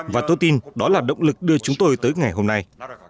và tôi tin đó là động lực đưa chúng tôi tới ngày hôm nay